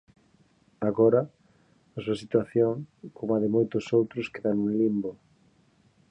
Agora, a súa situación, coma a de moitos outros, queda nun limbo.